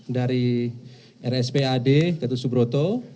dari rspad ketus broto